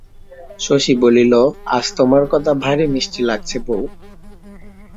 শশী বলিল, আজ তোমার কথা ভারি মিষ্টি লাগছে বৌ।